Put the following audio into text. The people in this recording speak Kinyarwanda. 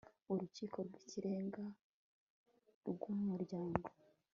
urukiko rw ikirenga rw umuryango